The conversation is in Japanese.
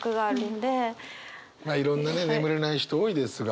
まあいろんなね眠れない人多いですが。